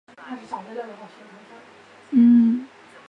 圣瑟法斯是马斯特里赫特城的主保圣人。